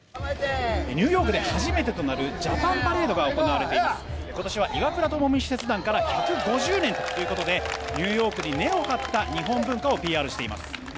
「ＮＹで初めてとなるジャパンパレードが行われています」「今年は岩倉具視使節団から１５０年ということでＮＹに根をはった日本文化をＰＲしています」